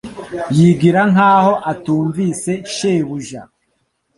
Yigira nkaho atumvise shebuja